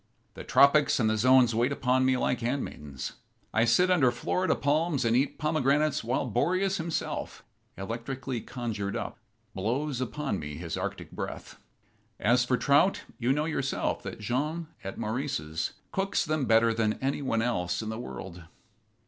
The tropics and the zones wait upon me like handmaidens. I sit under Florida palms and eat pomegranates while Boreas himself, electrically conjured up, blows upon me his Arctic breath. As for trout, you know, yourself, that Jean, at Maurice's, cooks them better than any one else in the world."